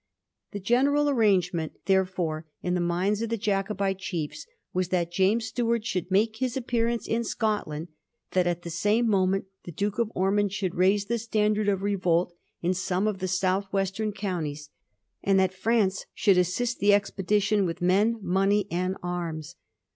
The general arrangement, therefore, in the minds of the Jacobite chiefs was that James Stuart should make his appearance in Scotland, that at the same moment the Duke of Ormond should raise the standard of revolt in some of the south westenk counties, and that France should assist the expedi tion with men, money, and arms.